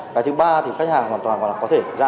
cái thứ ba thì khách hàng hoàn toàn có thể ra